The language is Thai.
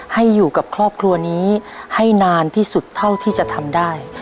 ให้กับครอบครัวนี้ให้นานที่สุดเท่าที่จะทำได้